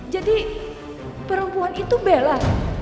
jadi perempuan itu bella